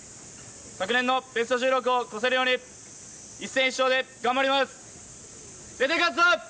昨年のベスト１６を超せるように一戦必勝で頑張ります。